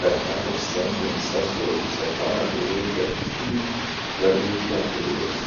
Kad katrs centiens sastopas ar pārāk lielu pretestību. Varbūt jāpadodas.